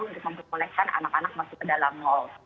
untuk memperbolehkan anak anak masuk ke dalam mal